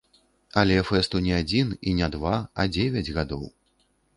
Але фэсту не адзін і не два, а дзевяць гадоў.